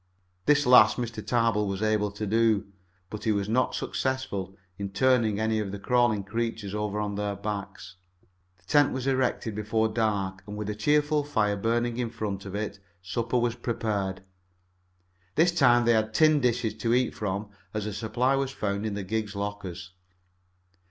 This last Mr. Tarbill was able to do, but he was not successful in turning any of the crawling creatures over on their backs. The tent was erected before dark, and, with a cheerful fire burning in front of it, supper was prepared. This time they had tin dishes to eat from, as a supply was found in the gig's lockers.